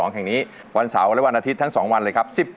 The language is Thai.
แห่งนี้วันเสาร์และวันอาทิตย์ทั้ง๒วันเลยครับ